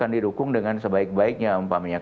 tidak didukung dengan sebaik baiknya umpamanya